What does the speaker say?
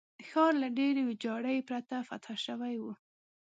ښار له ډېرې ویجاړۍ پرته فتح شوی وو.